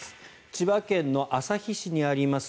千葉県旭市にあります